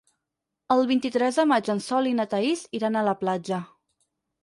El vint-i-tres de maig en Sol i na Thaís iran a la platja.